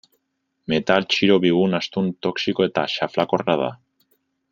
Metal txiro bigun, astun, toxiko eta xaflakorra da.